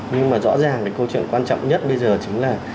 nhưng mà rõ ràng cái câu chuyện quan trọng nhất bây giờ chính là